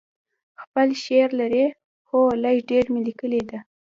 خپل شعر لرئ؟ هو، لږ ډیر می لیکلي ده